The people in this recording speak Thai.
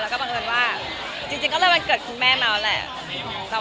แล้วก็บังเอิญว่าจริงก็เลยวันเกิดคุณแม่เมาแหละ